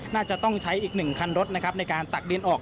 น่าจะต้องใช้อีก๑คันรถนะครับในการตักดินออก